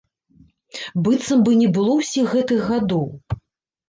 Быццам бы не было ўсіх гэтых гадоў!